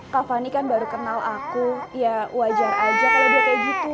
kak fani kan baru kenal aku ya wajar aja kalau dia kayak gitu